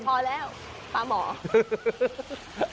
พอแล้วพอแล้วปลาหมอ